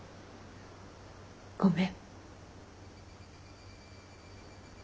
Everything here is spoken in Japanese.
ごめん。